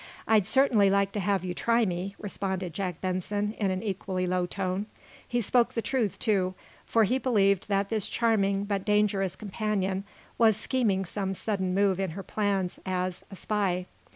"I'd certainly like to have you try me," responded Jack Benson, in an equally low tone. He spoke the truth, too, for he believed that this charming but dangerous companion was scheming some sudden move in her plans as, a spy.